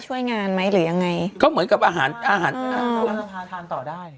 ช่วยงานไหมหรือยังไงก็เหมือนกับอาหารอาหารอื่นพาทานต่อได้